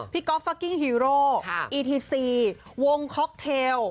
ก๊อฟฟักกิ้งฮีโรอีทีซีวงค็อกเทล